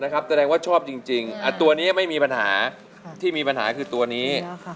แสดงว่าชอบจริงตัวนี้ไม่มีปัญหาที่มีปัญหาคือตัวนี้